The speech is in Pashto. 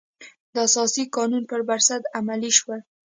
د اساسي قانون پر بنسټ عملي شول.